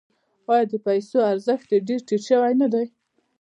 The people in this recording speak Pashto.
آیا د پیسو ارزښت یې ډیر ټیټ شوی نه دی؟